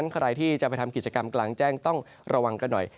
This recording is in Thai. ใครที่จะไปทำกิจกรรมกลางแจ้งต้องระวังกันหน่อย